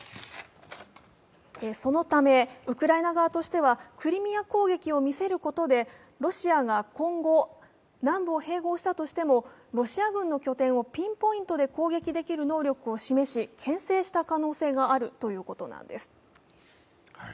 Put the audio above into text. そのため、ウクライナ側としてはクリミア攻撃を見せることでロシアが今後南部を併合したとしてもロシア軍の拠点をピンポイントで攻撃できる能力を示し、けん制した可能性があるということなんです。